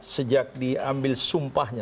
sejak diambil sumpahnya